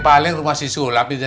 yaudah udah udah